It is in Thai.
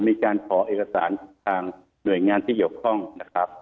มีการขอเอกสารทางหน่วยงานที่เกี่ยวข้องนะครับ